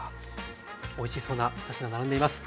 おいしそうな２品並んでいます。